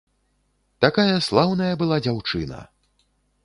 Такая слаўная была дзяўчына!